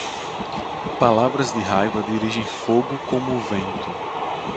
Palavras de raiva dirigem fogo como o vento.